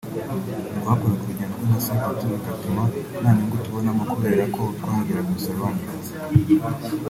twakoraga urugendo rw’amasaha atatu bigatuma nta nyungu tubonamo kubera ko twahageraga umusaruro wangiritse